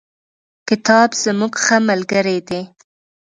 کتاب زموږ ښه ملگری دی.